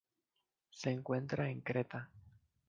Se encuentra en Creta.